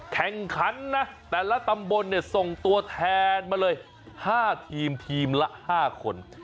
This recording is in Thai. แข่งขันนะแต่ละตำบลเนี่ยส่งตัวแทนมาเลย๕ทีมทีมละ๕คน